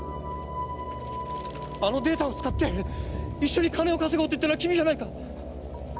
あのデータを使って一緒に金を稼ごうと言ったのは君じゃないか！